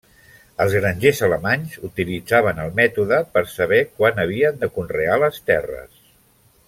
Els grangers alemanys utilitzaven el mètode per saber quan havien de conrear les terres.